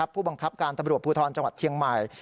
ผู้บังคับการตำรวจภูทรจังหวัดเชียงใหม่